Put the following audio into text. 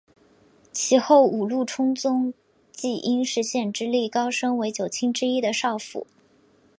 其后五鹿充宗即因石显之力高升为九卿之一的少府。